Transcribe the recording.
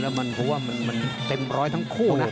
แล้วมันเพราะว่าเต็มร้อยทั้งคู่นะ